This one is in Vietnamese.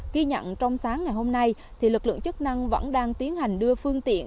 ghi nhận trong sáng ngày hôm nay lực lượng chức năng vẫn đang tiến hành đưa phương tiện